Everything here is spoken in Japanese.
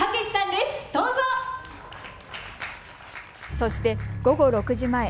そして、午後６時前。